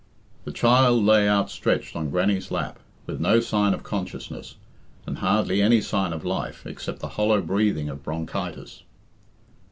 The child lay outstretched on Grannie's lap, with no sign of consciousness, and hardly any sign of life, except the hollow breathing of bronchitis.